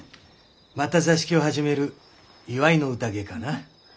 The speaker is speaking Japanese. また座敷を始める祝いの宴かな？